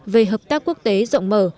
về hợp tác quốc tế rộng mở